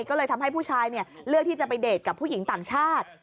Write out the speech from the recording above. ก็เลยทำให้ผู้ชายเลือกที่จะไปเดทกับผู้หญิงต่างชาติ